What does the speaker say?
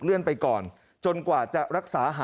ขอเลื่อนสิ่งที่คุณหนูรู้สึก